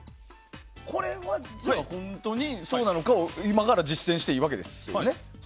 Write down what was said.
これは本当にそうなのかを今から実践するわけですよね。